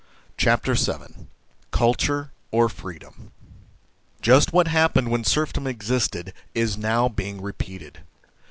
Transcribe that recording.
CHAPTEK VII CULTURE OR FREEDOM JUST what happened when serfdom existed is now being repeated.